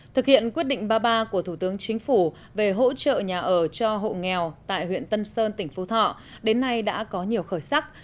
thực hiện quyết định ba mươi ba của thủ tướng chính phủ về hỗ trợ nhà ở cho hộ nghèo tại huyện tân sơn tỉnh phú thọ đến nay đã có nhiều khởi sắc